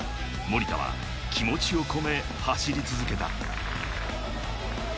森田は気持ちを込め走り続けた。